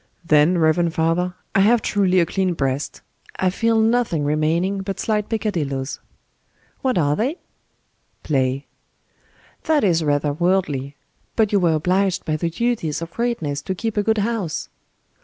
"Then, reverend father, I have truly a clean breast. I feel nothing remaining but slight peccadilloes." "What are they?" "Play." "That is rather worldly: but you were obliged by the duties of greatness to keep a good house."